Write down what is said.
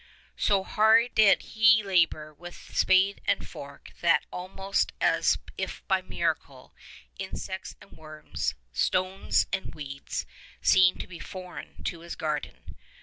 So hard did he labour with spade and fork that almost as if by miracle insects and worms, stones and weeds, seemed to be foreign to his garden.